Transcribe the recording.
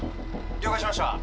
「了解しました」。